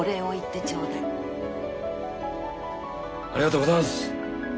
ありがとうございます。